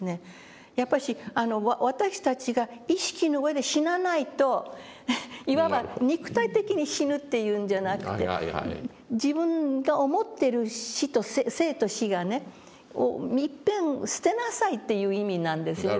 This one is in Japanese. やっぱし私たちが意識の上で死なないといわば肉体的に死ぬというんじゃなくて自分が思ってる死と生と死をいっぺん捨てなさいという意味なんですよね